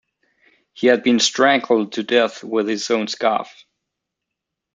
He had been strangled to death with his own scarf.